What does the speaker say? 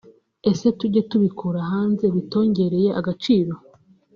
ese tujye tubikura hanze bitongereye agaciro